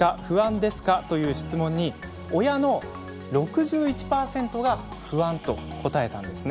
不安ですか？」という質問に親の６１％が不安と答えたんですね。